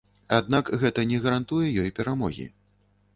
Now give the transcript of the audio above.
Аднак гэта не гарантуе ёй перамогі.